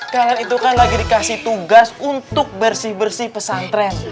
kalian itu kan lagi dikasih tugas untuk bersih bersih pesantren